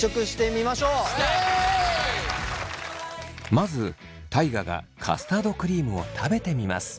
まず大我がカスタードクリームを食べてみます。